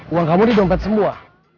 uang kamu di dompet semua